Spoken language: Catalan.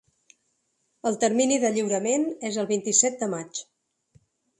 El termini de lliurament és el vint-i-set de maig.